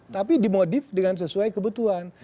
tapi dimodif dengan sesuai kebutuhan